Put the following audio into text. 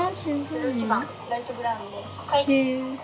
「０１番ライトブラウンです」。